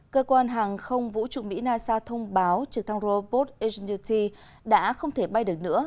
cơ quan hàng không vũ trụ mỹ nasa thông báo trực thăng robot h nu t đã không thể bay được nữa